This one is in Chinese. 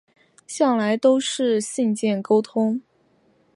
向来都是信件沟通